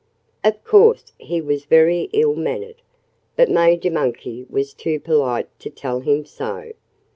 Of course he was very ill mannered. But Major Monkey was too polite to tell him so.